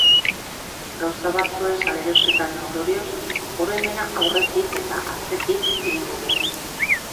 Gauza batzuen salerosketaren ondorioz, oroimena aurretik eta atzetik egingo du.